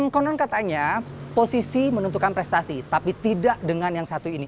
konon katanya posisi menentukan prestasi tapi tidak dengan yang satu ini